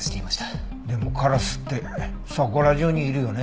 でもカラスってそこら中にいるよね。